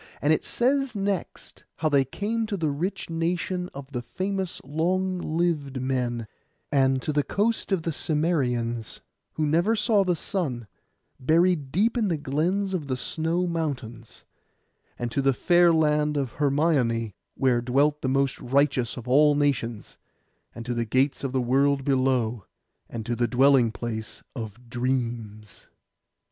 And it says next, how they came to the rich nation of the famous long lived men; and to the coast of the Cimmerians, who never saw the sun, buried deep in the glens of the snow mountains; and to the fair land of Hermione, where dwelt the most righteous of all nations; and to the gates of the world below, and to the dwelling place of dreams.